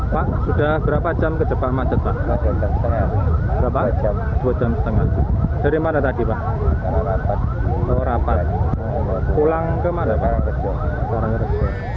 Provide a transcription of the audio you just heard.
masa buruh diberi uang pesangon tersebut